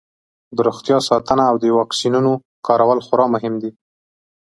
د روغتیا ساتنه او د واکسینونو کارول خورا مهم دي.